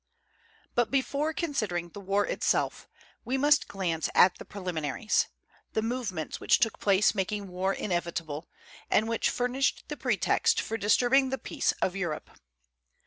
But before considering the war itself, we must glance at the preliminaries, the movements which took place making war inevitable, and which furnished the pretext for disturbing the peace of Europe.